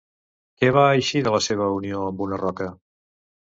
Què va eixir de la seva unió amb una roca?